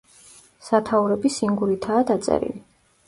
სათაურები სინგურითაა დაწერილი.